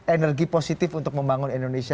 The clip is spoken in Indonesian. energi positif untuk membangun indonesia